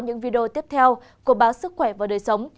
những video tiếp theo của báo sức khỏe và đời sống